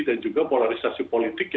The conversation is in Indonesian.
dan juga polarisasi politik